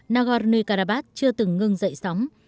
nagorno karabakh chưa từng ngưng dậy sóng